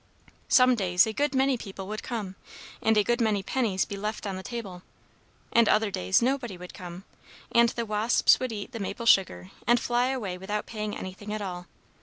Some days a good many people would come, and a good many pennies be left on the table; and other days nobody would come, and the wasps would eat the maple sugar, and fly away without paying anything at all.